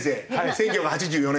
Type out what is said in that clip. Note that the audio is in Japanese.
１９８４年。